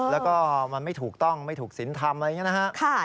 แล้วก็มันไม่ถูกต้องไม่ถูกสินทำ